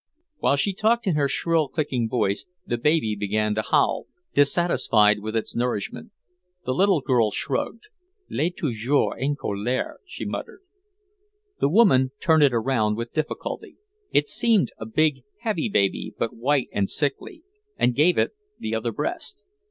While she talked in her shrill, clicking voice, the baby began to howl, dissatisfied with its nourishment. The little girl shrugged. "Il est toujours en colère," she muttered. The woman turned it around with difficulty it seemed a big, heavy baby, but white and sickly and gave it the other breast.